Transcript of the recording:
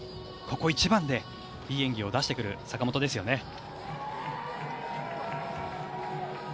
ここ一番でいい演技を出してくる坂本ですよね。